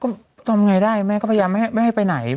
ก็ทำไงได้แม่ก็พยายามไม่ให้ไปไหน